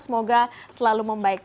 semoga selalu membaik